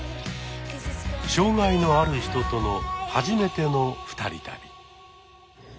障害のある人との初めての二人旅。